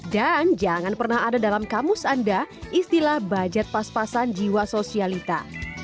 dan jangan pernah ada dalam kamus anda istilah bajet pas pasan jiwa sosialita